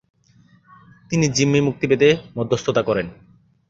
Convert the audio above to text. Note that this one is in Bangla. তিনি জিম্মি মুক্তি পেতে মধ্যস্থতা করেন।